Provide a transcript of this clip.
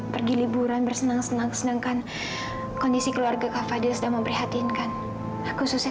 pergi liburan bersenang senang sedangkan kondisi keluarga fadil sedang memperhatikan khususnya